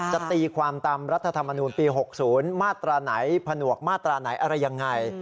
จะตีความตามรัฐธรรมนูลปี๖๐มาตราไหนผนวกมาตราไหนอะไรยังไง